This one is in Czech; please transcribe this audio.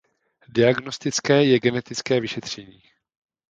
Diagnostické je genetické vyšetření.